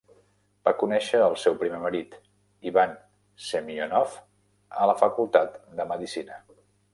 Va conèixer el seu primer marit, Ivan Semyonov, a la facultat de medicina.